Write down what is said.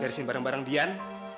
dari sini bareng bareng dian